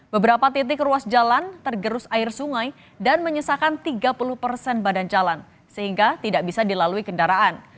beberapa titik ruas jalan tergerus air sungai dan menyisakan tiga puluh persen badan jalan sehingga tidak bisa dilalui kendaraan